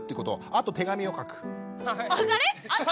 あと手紙を書く？